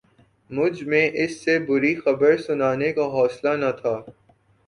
مجھ میں اسے بری خبر سنانے کا حوصلہ نہ تھا